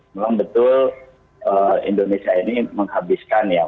memang betul indonesia ini menghabiskan ya